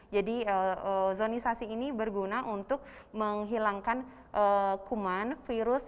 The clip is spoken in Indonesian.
jadi ozonisasi ini berguna untuk menghilangkan kuman virus